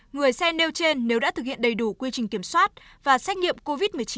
người xe nêu trên nếu đã thực hiện đầy đủ quy trình kiểm soát và xét nghiệm covid một mươi chín